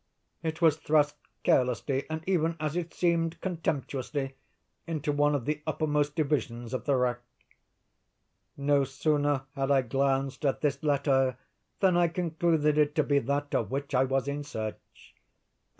It was thrust carelessly, and even, as it seemed, contemptuously, into one of the uppermost divisions of the rack. "No sooner had I glanced at this letter, than I concluded it to be that of which I was in search.